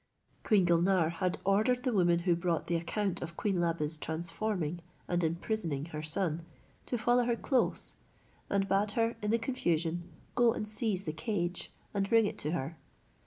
Queen Gulnare had ordered the woman who brought the account of queen Labe's transforming and imprisoning her son, to follow her close, and bade her, in the confusion, go and seize the cage, and bring it to her.